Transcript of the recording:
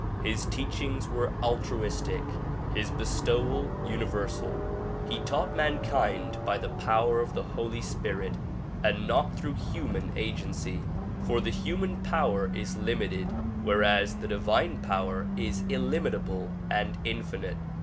His teachings were altruistic ; his bestowal universal. He taught man kind by the power of the Holy Spirit and not through human agency, for the human power is limited whereas the divine power is illimitable and infinite.